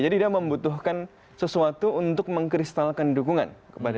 jadi dia membutuhkan sesuatu untuk mengkristalkan dukungan